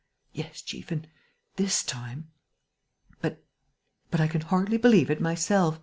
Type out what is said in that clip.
"Yes, chief, and ... this time ...! But I can hardly believe it myself....